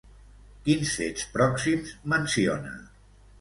Quins fets pròxims menciona?